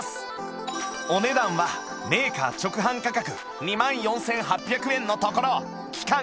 お値段はメーカー直販価格２万４８００円のところ期間